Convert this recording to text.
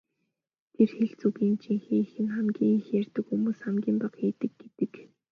Тэр хэлц үгийн жинхэнэ эх нь "хамгийн их ярьдаг хүмүүс хамгийн бага хийдэг" гэдэг.